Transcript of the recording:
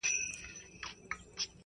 ويل زه يوه مورکۍ لرم پاتيږي،